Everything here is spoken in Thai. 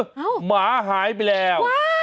อ้าวว้ายหมาหายไปแล้ว